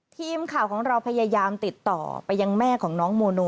ทีมข่าวของเราพยายามติดต่อไปยังแม่ของน้องโมโน